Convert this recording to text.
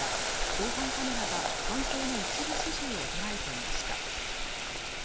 防犯カメラが犯行の一部始終を捉えていました。